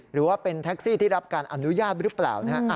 หรือว่าเป็นแท็กซี่ที่รับการอนุญาตหรือเปล่านะฮะ